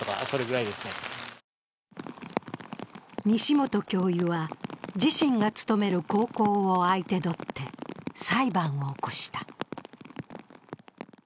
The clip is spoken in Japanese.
西本教諭は自身が勤める高校を相手取って裁判を起こした。